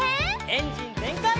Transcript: エンジンぜんかい！